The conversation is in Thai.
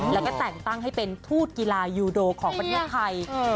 แล้วก็แต่งตั้งให้เป็นทูตกีฬายูโดของประเทศไทย